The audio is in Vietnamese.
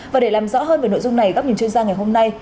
và để làm rõ hơn về nội dung này góc nhìn chuyên gia ngày hôm nay